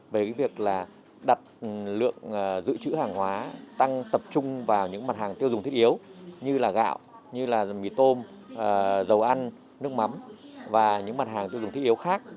về cái việc là đặt lượng dự trữ hàng hóa tăng tập trung vào những mặt hàng tiêu dùng thiết yếu như là gạo như là mì tôm dầu ăn nước mắm và những mặt hàng tiêu dùng thiết yếu khác